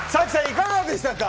いかがでしたか？